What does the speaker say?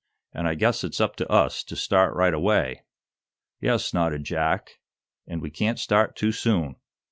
And I guess it's up to us to start right away." "Yes," nodded Jack. "And we can't start too soon."